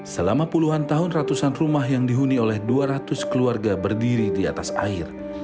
selama puluhan tahun ratusan rumah yang dihuni oleh dua ratus keluarga berdiri di atas air